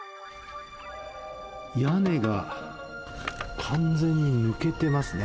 屋根が完全に抜けてますね。